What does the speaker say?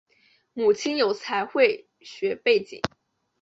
母亲有财会学背景。